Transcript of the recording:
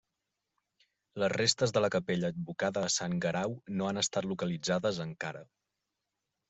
Les restes de la capella advocada a Sant Guerau no han estat localitzades encara.